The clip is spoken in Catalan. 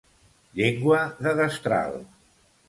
Llengua de destral.